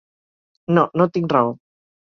No, no tinc raó.